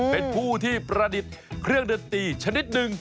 เป็นผู้ที่ประดิษฐ์เครื่องดนตรีชนิดหนึ่ง